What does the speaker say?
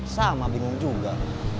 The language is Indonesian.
sama bingung juga